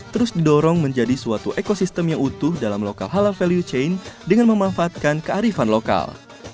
terus didorong menjadi suatu ekosistem yang utuh dalam lokal halal value chain dengan memanfaatkan kearifan lokal